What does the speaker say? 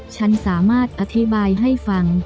ฉันสามารถอธิบายให้ฟัง